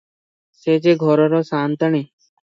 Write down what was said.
ସେ ଯେ ଘରର ସାନ୍ତାଣୀ ।